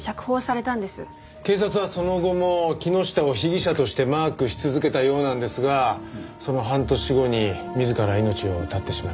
警察はその後も木下を被疑者としてマークし続けたようなんですがその半年後に自ら命を絶ってしまいました。